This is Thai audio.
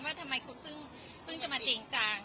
ว่าทำไมคุณเพิ่งจะมาจริงจัง